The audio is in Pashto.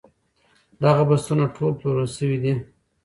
دغه بستونه ټول پلورل شوي دي.